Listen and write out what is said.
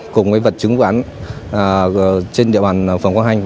cùng với vật chứng vụ án trên địa bàn phường quang hành